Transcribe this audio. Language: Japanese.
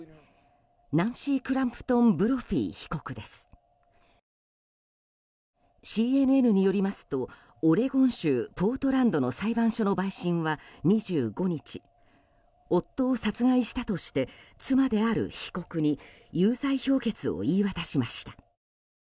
ナンシー・クランプトン・ブロフィ被告ＣＮＮによりますとオレゴン州ポートランドの裁判所の陪審は２５日、夫を殺害したとして妻である被告に有罪評決を言い渡しました。